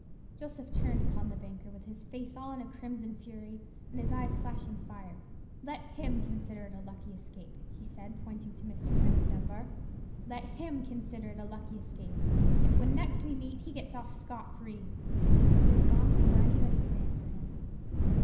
"Joseph turned upon the banker, with his face all in a crimson flame, and his eyes flashing fire. 'Let him consider it a lucky escape,' he said, pointing to Mr. Henry Dunbar,—'let him consider it a lucky escape, if when we next meet he gets off scot free.' "He was gone before any body could answer him.